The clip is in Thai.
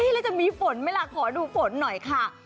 แล้วจะมีฝนไหมล่ะขอดูฝนหน่อยค่ะ